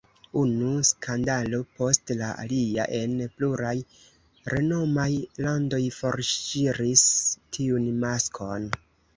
Unu skandalo post la alia en pluraj renomaj landoj forŝiris tiun maskon.